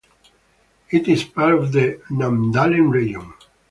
It is part of the Namdalen region.